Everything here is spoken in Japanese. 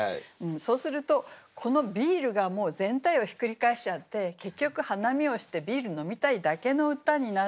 そうするとこの「ビール」がもう全体をひっくり返しちゃって結局花見をしてビール飲みたいだけの歌になってしまってるんです。